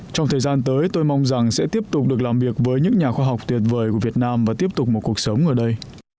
trong thời gian tới tôi mong rằng sẽ tiếp tục được làm việc với những nhà khoa học tuyệt vời của việt nam và tiếp tục một cuộc sống ở đây